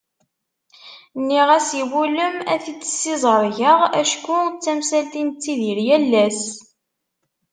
Nniɣ-as iwulem ad t-id-ssiẓergeɣ acku d tamsalt i nettidir yal ass.